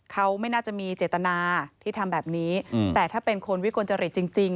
เขาไม่น่าจะมีเจตนาที่ทำแบบนี้แต่ถ้าเป็นคนวิกลจริตจริง